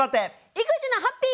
「育児のハッピー」！